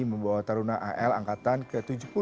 membawa taruna al angkatan ke tujuh puluh